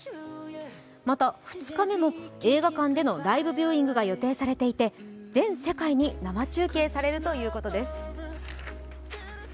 また、２日目も映画館でのＬＩＶＥビューイングが予定されていて、全世界に生中継されるということです。